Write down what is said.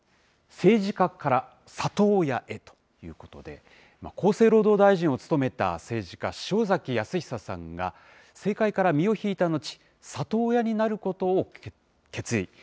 政治家から里親へということで、厚生労働大臣を務めた政治家、塩崎恭久さんが、政界から身を引いた後、里親になることを決意。